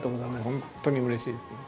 本当にうれしいですね。